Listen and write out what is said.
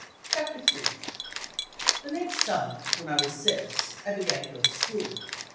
Google THREE T ■he next summer, when I was six, I began to go xo school.